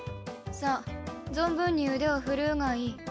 さあ存分に腕を振るうがいい。